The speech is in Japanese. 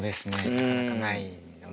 なかなかないので。